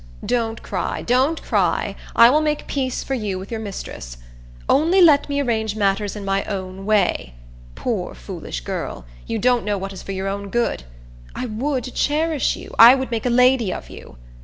Don't cry! don't cry! I will make peace for you with your mistress. Only let me arrange matters in my own way. Poor, foolish girl! you don't know what is for your own good. I would cherish you. I would make a lady of you.